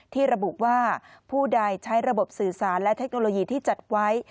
ที่ระบุว่าผู้ใดใช้ระบบสื่อสารและเทคโนโลยีที่จัดไว้